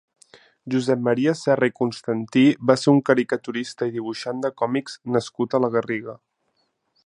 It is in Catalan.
Josep Maria Serra i Constantí va ser un caricaturista i dibuixant de còmics nascut a la Garriga.